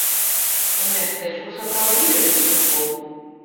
У мястэчку сапраўды любяць футбол.